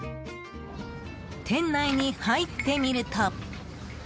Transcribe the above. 店内に入ってみると。